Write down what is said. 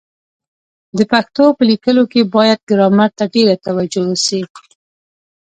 د پښتو په لیکلو کي بايد ګرامر ته ډېره توجه وسي.